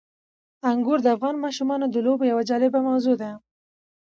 انګور د افغان ماشومانو د لوبو یوه جالبه موضوع ده.